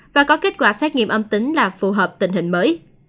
và có kết quả xét nghiệm âm tính là phù hợp tình hình mới